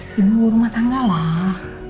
di rumah tangga lah